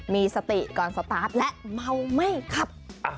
มีสติก่อนสตาร์ทและเมาไม่ขับ